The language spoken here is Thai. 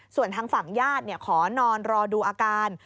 ส่วนทางฝั่งญาติขอนอนรอดูอาการ